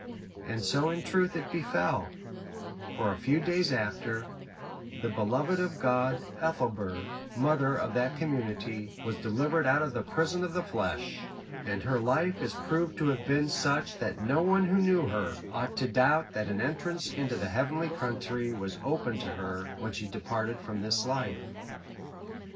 And so in truth it befell; for a few days after, the beloved of God, Ethelburg, mother of that community, was delivered out of the prison of the flesh; and her life is proved to have been such that no one who knew her ought to doubt that an entrance into the heavenly country was open to her, when she departed from this life.